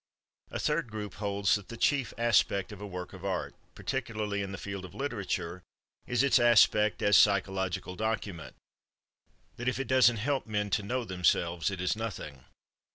A third group holds that the chief aspect of a work of art, particularly in the field of literature, is its aspect as psychological document—that if it doesn't help men to know themselves it is nothing.